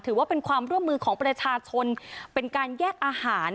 ถือว่าเป็นความร่วมมือของประชาชนเป็นการแยกอาหาร